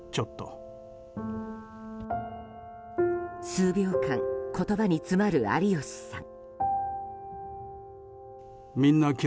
数秒間言葉に詰まる有吉さん。